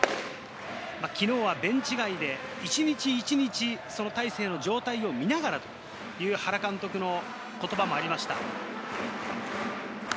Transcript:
昨日はベンチ外で一日一日、大勢の状態を見ながらという原監督の言葉がありました。